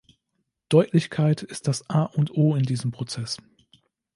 Deutlichkeit ist das A und O in diesem Prozess.